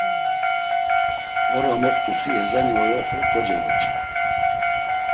Ora moxt̆usi ezani oyoxu kocevoç̌i.